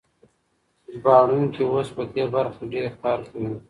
ژباړونکي اوس په دې برخه کې ډېر کار کوي.